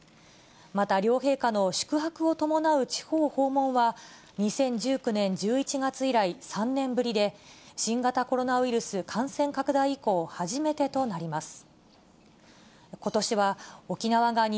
また両陛下の宿泊を伴う地方訪問は、２０１９年１１月以来３年ぶりで、新型コロナウイルス感染拡大以降初めてとなります。